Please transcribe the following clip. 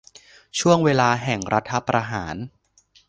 ช่วงเวลาแห่งรัฐประหาร